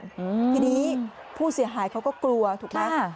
อืมทีนี้ผู้เสียหายเขาก็กลัวถูกไหมค่ะ